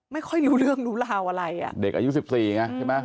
ไม่ค่อยรู้เรื่องรู้ราวอะไรอ่ะเด็กอายุสิบสี่ไงใช่ไหม